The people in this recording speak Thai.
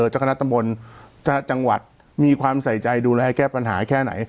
จักรคณะจังหวัดมีความใส่ใจดูแลแค่ปัญหาแค่ไหน